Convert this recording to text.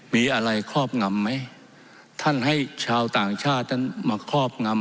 มีอะไรครอบงำไหมท่านให้ชาวต่างชาตินั้นมาครอบงำ